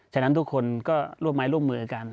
ฉะนั้นทุกคนก็ร่วมมือรวมกัน